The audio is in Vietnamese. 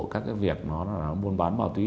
các cái việc nó buôn bán màu tí